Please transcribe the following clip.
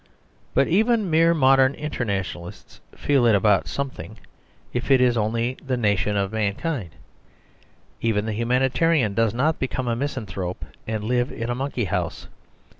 But even mere modern internationalists feel it about something; if it is only the nation of mankind. Even the humanitarian does not become a misanthrope and live in a monkey house.